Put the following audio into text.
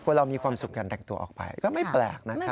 เรามีความสุขการแต่งตัวออกไปก็ไม่แปลกนะครับ